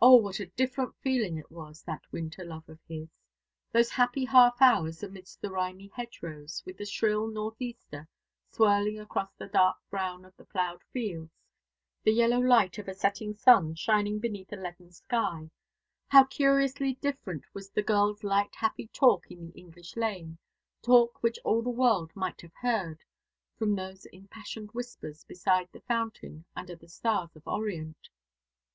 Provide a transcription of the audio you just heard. O, what a different feeling it was, that winter love of his! Those happy half hours amidst the rimy hedgerows, with the shrill north easter swirling across the dark brown of the ploughed fields, the yellow light of a setting sun shining beneath a leaden sky. How curiously different was the girl's light happy talk in the English lane talk which all the world might have heard from those impassioned whispers beside the fountain, under the stars of Orient!